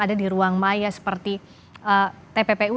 ada di ruang maya seperti tppu